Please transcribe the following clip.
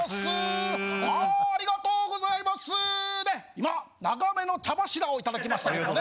今長めの茶柱をいただきましたけどもね。